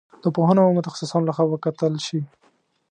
د پوهانو او متخصصانو له خوا وکتل شي.